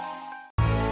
lagi bertemu ayo